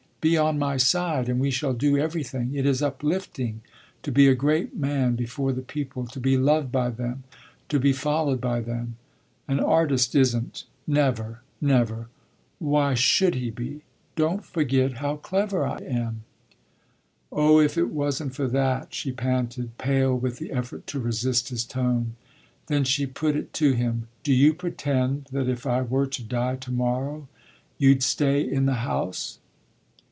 Be on my side and we shall do everything. It is uplifting to be a great man before the people to be loved by them, to be followed by them. An artist isn't never, never. Why should he be? Don't forget how clever I am." "Oh if it wasn't for that!" she panted, pale with the effort to resist his tone. Then she put it to him: "Do you pretend that if I were to die to morrow you'd stay in the House?"